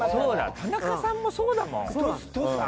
田中さんもそうだもん。